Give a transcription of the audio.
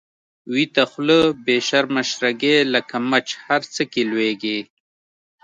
ويته خوله بی شرمه شرګی، لکه مچ هر څه کی لويږی